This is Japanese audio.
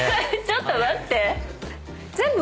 ちょっと待って。